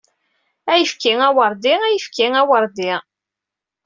Ayefki aweṛdi! Ayefki aweṛdi!